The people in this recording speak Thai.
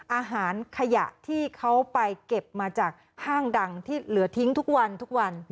อาหารขยะที่เขาไปเก็บมาจากห้างดังที่เหลือทิ้งทุกวันทุกวัน